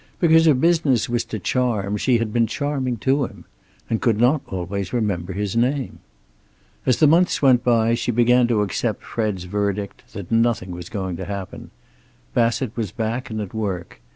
Because her business was to charm, she had been charming to him. And could not always remember his name! As the months went by she began to accept Fred's verdict that nothing was going to happen. Bassett was back and at work.